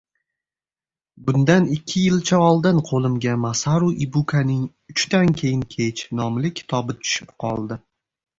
Bundan ikki yilcha oldin qoʻlimga Masaru Ibukaning “Uchdan keyin kech” nomli kitobi tushib qoldi.